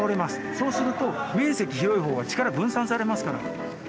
そうすると面積広いほうが力分散されますから。